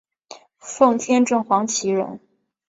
奉天正黄旗人。